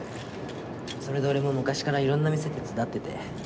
それで俺も昔からいろんな店手伝ってて。